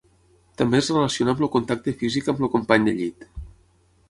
També es relaciona amb el contacte físic amb el company de llit.